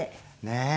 ねえ。